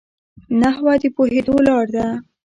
نحوه د پوهېدو لار ده.